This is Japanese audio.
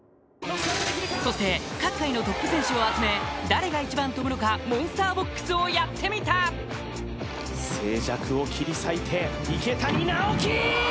そして各界のトップ選手を集め誰が一番跳ぶのかモンスターボックスをヤッテミタ静寂を切り裂いて池谷直樹！